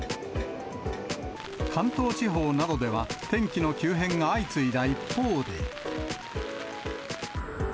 関東地方などでは、天気の急変が相次いだ一方で。